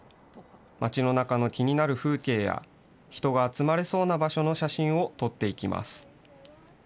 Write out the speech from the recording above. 町の中の気になる風景や人が集まれそうな場所の写真を撮っていきます。